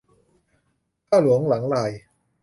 ข้าหลวงหลังลาย